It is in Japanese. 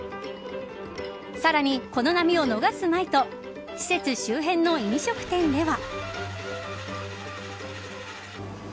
さらに、この波を逃すまいと施設周辺の飲食店では。